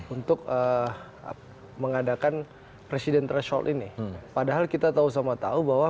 untuk mengadakan presiden threshold ini padahal kita tahu sama tahu bahwa